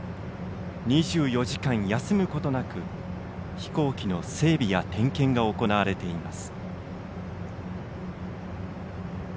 ２４時間、休むことなく飛行機の整備や点検が行われています。